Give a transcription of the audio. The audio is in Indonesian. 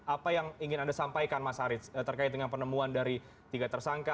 apa yang ingin anda sampaikan mas haris terkait dengan penemuan dari tiga tersangka